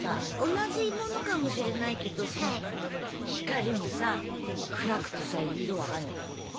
同じ物かもしれないけど光もさ暗くてさ色分かんねえなみたいな。